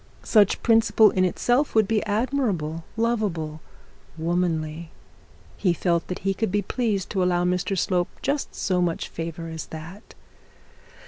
Such principle in itself would be admirable, loveable, womanly; he felt that he could be pleased to allow Mr Slope just so much favour as that.